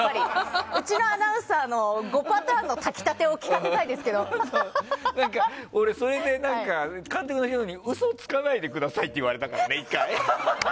うちのアナウンサーの５パターンの「炊き立て」を俺、それで監督の人に嘘つかないでくださいって言われたからね。